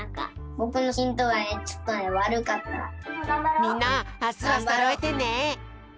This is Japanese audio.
みんなあすはそろえてね！